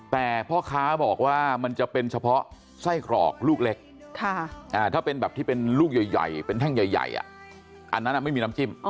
แต่พ่อค้าบอกว่ามันจะเป็นเฉพาะไส้กรอกลูกเล็กถ้าเป็นแบบที่เป็นลูกใหญ่เป็นแท่งใหญ่อันนั้นไม่มีน้ำจิ้ม